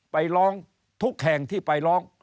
ไปร้องทุกแห่งที่ไปร้อง